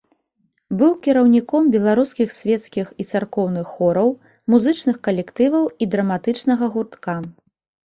Быў кіраўніком беларускіх свецкіх і царкоўных хораў, музычных калектываў і драматычнага гуртка.